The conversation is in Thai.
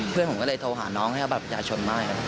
เพื่อนผมก็เลยโทรหาน้องให้เอาบัตรประชาชนไหม้